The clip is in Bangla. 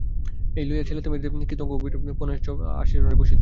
এই লইয়া ছেলেতে মায়েতে কিয়ৎক্ষণ মান-অভিমানের পর মহেন্দ্রকে পুনশ্চ আহারে বসিতে হইল।